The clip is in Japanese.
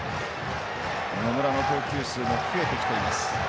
野村の投球数も増えてきています。